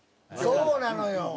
そうなのよ！